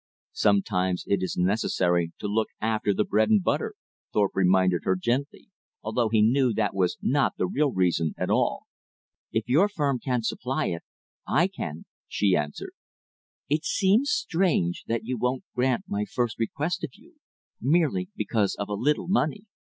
"Sometimes it is necessary to look after the bread and butter," Thorpe reminded her gently, although he knew that was not the real reason at all. "If your firm can't supply it, I can," she answered. "It seems strange that you won't grant my first request of you, merely because of a little money."